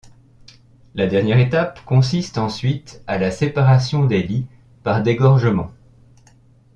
La dernière étape consiste ensuite à la séparation des lies par dégorgement.